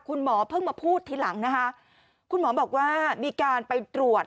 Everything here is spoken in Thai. คุณหมอเพิ่งมาพูดทีหลังนะคะคุณหมอบอกว่ามีการไปตรวจ